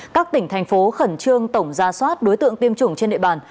các tỉnh thành phố khẩn trương tổng ra soát đối tượng tiêm chủng trên địa bàn